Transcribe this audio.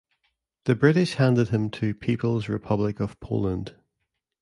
The British handed him to People's Republic of Poland.